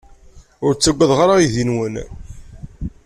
Ur ttaggadeɣ ara aydi-nwen.